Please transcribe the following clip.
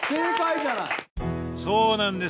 そうなんです